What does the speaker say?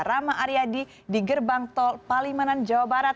rama aryadi di gerbang tol palimanan jawa barat